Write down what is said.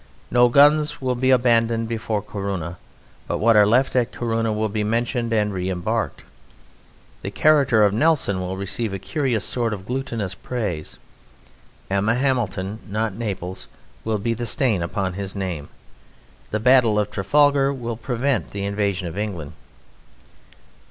No guns will be abandoned before Coruña, but what are left at Coruña will be mentioned and re embarked. The character of Nelson will receive a curious sort of glutinous praise; Emma Hamilton, not Naples, will be the stain upon his name; the Battle of Trafalgar will prevent the invasion of England.